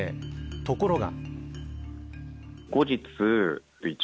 ところが。